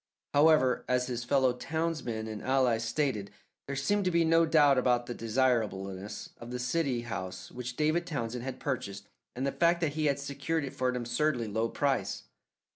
However, as his fellow townsmen and allies stated, there seemed to be no doubt about the desirableness of the city house which David Townsend had purchased and the fact that he had secured it for an absurdly low price.